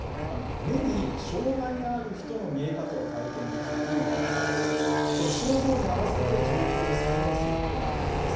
目に障害がある人の見え方を体験できるというＶＲで、これ症状に合わせて状況を再現することが可能です。